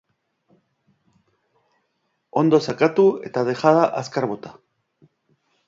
Ondo sakatu eta dejada azkar bota.